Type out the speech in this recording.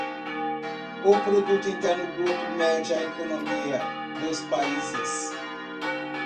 O Produto Interno Bruto mede a economia dos países